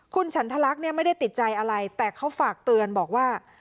คุณฉันทลักษณ์เนี่ยไม่ได้ติดใจอะไรแต่เขาฝากเตือนบอกว่า